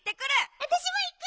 あたしもいく！